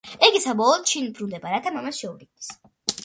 იგი საბოლოოდ შინ ბრუნდება, რათა მამას შეურიგდეს.